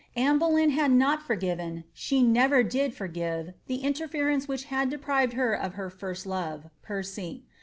iie Bolevn had not forgiven, she never did forgxne, the iateirereiice iirh haJ deprived her of licr first love, Percy.